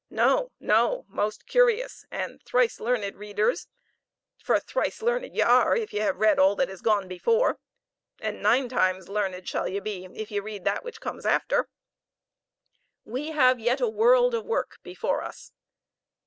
No no most curious and thrice learned readers (for thrice learned ye are if ye have read all that has gone before, and nine times learned shall ye be if ye read that which comes after), we have yet a world of work before us.